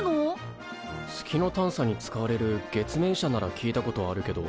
月の探査に使われる月面車なら聞いたことあるけど。